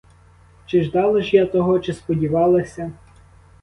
Чи ждала ж я того, чи сподівалася!